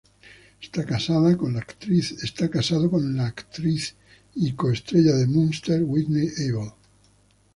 Está casado con la actriz y co-estrella de Monsters, Whitney Able".